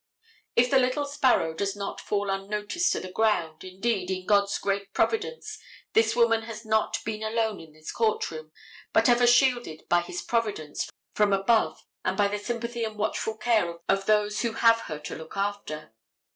If the little sparrow does not fall unnoticed to the ground, indeed, in God's great providence this woman has not been alone in this court room, but ever shielded by his providence from above and by the sympathy and watchful care of those who have her to look after.